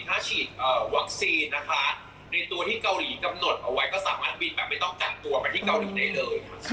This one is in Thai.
ถ้าฉีดวัคซีนนะคะในตัวที่เกาหลีกำหนดเอาไว้ก็สามารถบินแบบไม่ต้องกักตัวไปที่เกาหลีได้เลยค่ะ